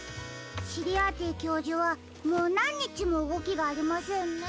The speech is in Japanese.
シリアーティ教授はもうなんにちもうごきがありませんね。